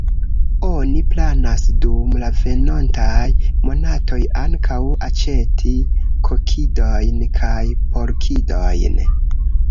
Oni planas dum la venontaj monatoj ankaŭ aĉeti kokidojn kaj porkidojn.